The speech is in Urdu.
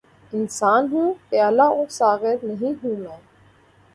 انسان ہوں‘ پیالہ و ساغر نہیں ہوں میں!